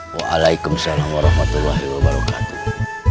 waalaikumsalam warahmatullahi wabarakatuh